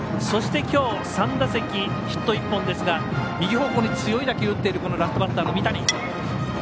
そして、きょう３打席ヒット１本ですが右方向に強い打球を打っているラストバッターの三谷。